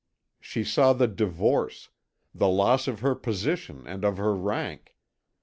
She saw the divorce, the loss of her position and of her rank.